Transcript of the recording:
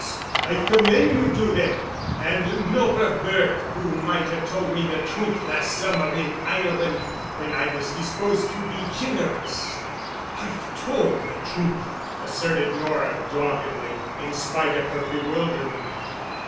I commend you to them. And Nora Burke, who might have told me the truth last summer in Ireland, when I was disposed to be generous." "I've tould the truth," asserted Nora doggedly, in spite of her bewilderment.